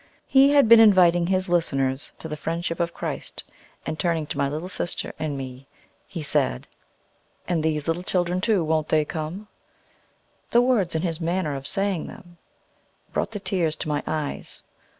He had been inviting his listeners to the friendship of Christ, and turning to my little sister and me, he said, "And these little children, too; won't they come?" The words, and his manner of saving them, brought the tears to my eyes.